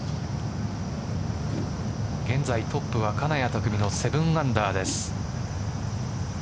現在トップは金谷拓実の７アンダーです。